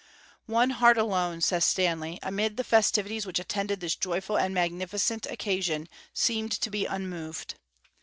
"One heart alone," says Stanley, "amid the festivities which attended this joyful and magnificent occasion, seemed to be unmoved.